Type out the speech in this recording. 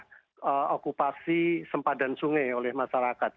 terutama pada okupasi sempadan sungai oleh masyarakat